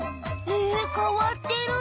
へえかわってる。